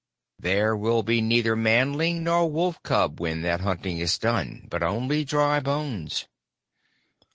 "There will be neither Manling nor Wolf cub when that hunting is done, but only dry bones."